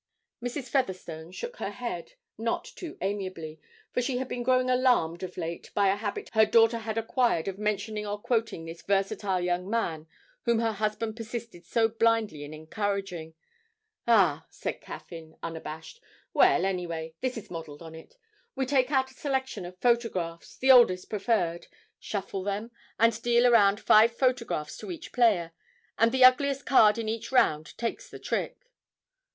Mrs. Featherstone shook her head, not too amiably, for she had been growing alarmed of late by a habit her daughter had acquired of mentioning or quoting this versatile young man whom her husband persisted so blindly in encouraging. 'Ah!' said Caffyn, unabashed. 'Well, anyway, this is modelled on it. We take out a selection of photographs, the oldest preferred, shuffle them, and deal round five photographs to each player, and the ugliest card in each round takes the trick.'